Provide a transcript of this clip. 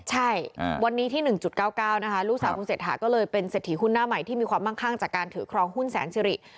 ใช่วันนี้ที่๑๙๙นะคะลูกสาวคุณเศรษฐาก็เลยเป็นเศรษฐีหุ้นหน้าใหม่ที่มีความมั่งข้างจากการถือครองหุ้นแสนสิริ